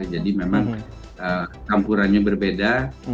jadi memang kampurannya berbeda